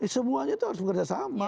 semuanya itu harus bekerja sama